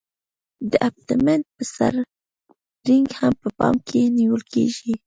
د ابټمنټ په سر رینګ هم په پام کې نیول کیږي